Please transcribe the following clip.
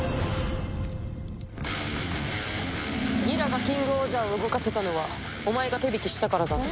ギラがキングオージャーを動かせたのはお前が手引きしたからだな？